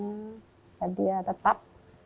supaya dia tetap